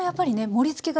盛りつけ方